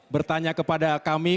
bertanya kepada kami